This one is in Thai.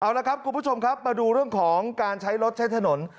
เอาละครับคุณผู้ชมครับมาดูเรื่องของการใช้รถใช้ถนน